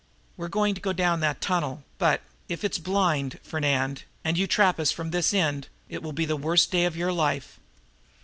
We're going to go down that tunnel; but, if it's blind, Fernand, and you trap us from this end, it will be the worst day of your life."